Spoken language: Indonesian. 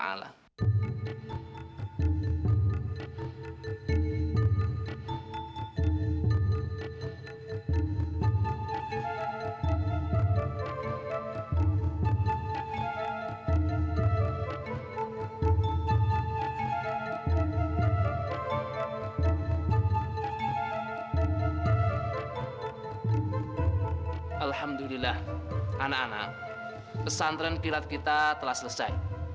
alhamdulillah anak anak pesantren kilat kita telah selesai